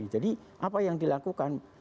jadi apa yang dilakukan